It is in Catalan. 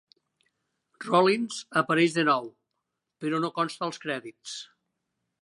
Rollins apareix de nou, però no consta als crèdits.